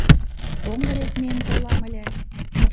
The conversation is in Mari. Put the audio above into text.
Поҥго дек миен толам ыле.